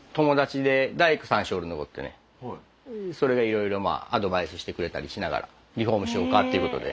それがいろいろアドバイスしてくれたりしながらリフォームしようかっていうことで。